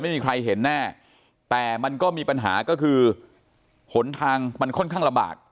ไม่มีใครเห็นแน่แต่มันก็มีปัญหาก็คือหนทางมันค่อนข้างลำบาก